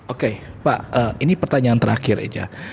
oke pak ini pertanyaan terakhir aja